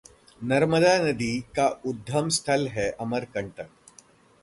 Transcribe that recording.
नर्मदा नदी का उद्गम स्थल है 'अमरकंटक'